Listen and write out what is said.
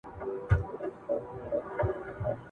نو د مور سره د هغې د مېړه